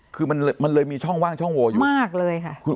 คือมันเลยมีช่องว่างช่องโวอยู่มากเลยค่ะ